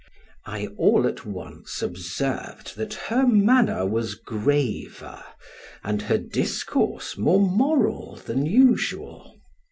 I all at once observed that her manner was graver, and her discourse more moral than usual.